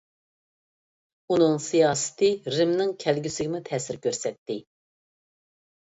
ئۇنىڭ سىياسىتى رىمنىڭ كەلگۈسىگىمۇ تەسىر كۆرسەتتى.